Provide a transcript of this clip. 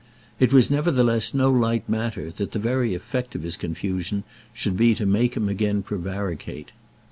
It was nevertheless no light matter that the very effect of his confusion should be to make him again prevaricate.